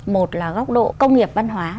một là góc độ công nghiệp văn hóa